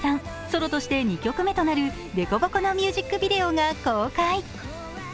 ソロとして２曲目となる「凸凹」のミュージックビデオが公開。